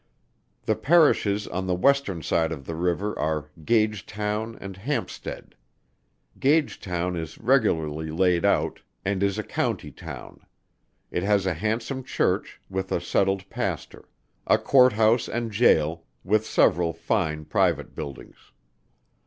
The Parishes on the western side of the river are Gagetown and Hampstead. Gagetown is regularly laid out, and is the county town. It has a handsome Church, with a settled Pastor; a Court House and Gaol, with several fine private buildings.